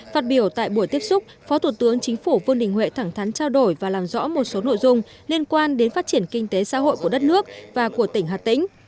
phát biểu tại buổi tiếp xúc phó thủ tướng chính phủ vương đình huệ thẳng thắn trao đổi và làm rõ một số nội dung liên quan đến phát triển kinh tế xã hội của đất nước và của tỉnh hà tĩnh